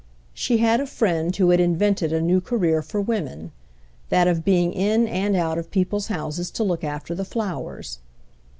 She had a friend who had invented a new career for women—that of being in and out of people's houses to look after the flowers.